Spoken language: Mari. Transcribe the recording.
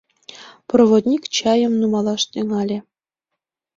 Проводник чайым нумалаш тӱҥале.